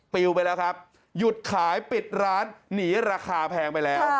ปิวไปแล้วครับหยุดขายปิดร้านหนีราคาแพงไปแล้ว